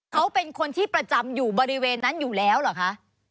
เขาเป็นคนที่ประจำอยู่บริเวณนั้นอยู่แล้วเหรอคะ